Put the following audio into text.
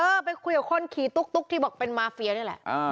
ไปคุยกับคนขี่ตุ๊กที่บอกเป็นมาเฟียนี่แหละ